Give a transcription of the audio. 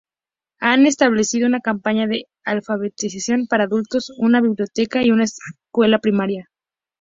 Han establecido una campaña de alfabetización para adultos, una biblioteca y una escuela primaria.